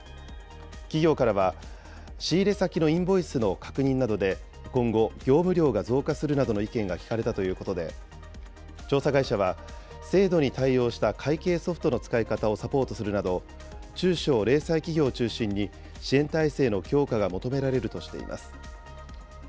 企業からは、仕入れ先のインボイスの確認などで今後、業務量が増加するなどの意見が聞かれたということで、調査会社は、制度に対応した会計ソフトの使い方をサポートするなど、中小・零細企業を中心に支援体制の強化が求められるとしています。